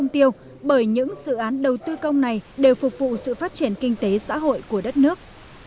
tư công này đều phục vụ sự phát triển kinh tế xã hội của đất nước